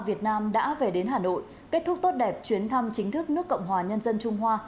việt nam đã về đến hà nội kết thúc tốt đẹp chuyến thăm chính thức nước cộng hòa nhân dân trung hoa